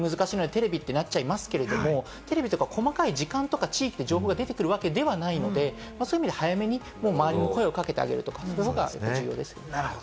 高齢者の方はどうしてもアプリ難しいので、テレビってなっちゃいますけれども、テレビとか、細かい時間とか地域の情報が出てくるわけではないので、そういう意味で早めに周りが声をかけてあげるとか、そういうことが重要ですね。